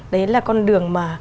đấy là con đường mà